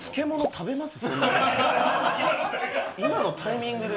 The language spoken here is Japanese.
今のタイミングで。